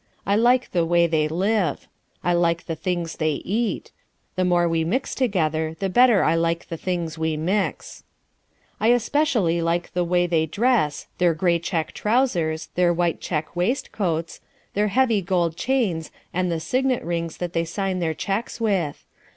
I like the way they live. I like the things they eat. The more we mix together the better I like the things we mix. Especially I like the way they dress, their grey check trousers, their white check waist coats, their heavy gold chains, and the signet rings that they sign their cheques with.